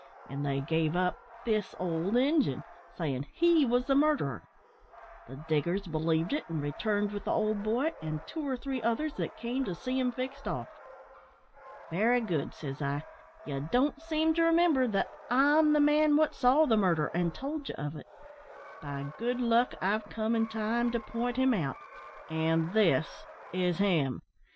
An' they gave up this old Injun, sayin' he wos the murderer. The diggers believed it, and returned with the old boy and two or three others that came to see him fixed off. "`Very good,' says I, `ye don't seem to remimber that I'm the man what saw the murder, and told ye of it. By good luck, I've come in time to point him out an' this is him.'